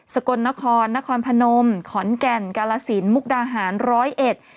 กลนครนครพนมขอนแก่นกาลสินมุกดาหารร้อยเอ็ด